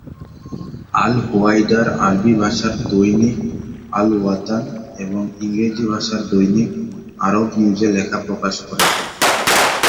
আল-হুয়াইদার আরবি ভাষার দৈনিক "আল-ওয়াতান" এবং ইংরেজি ভাষার দৈনিক "আরব নিউজে লেখা প্রকাশ করে"।